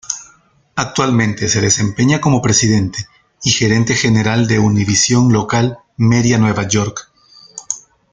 Actualmente se desempeña como presidente y gerente general de Univision Local Media Nueva York.